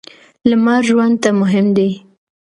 لمر ژوند ته مهم دی.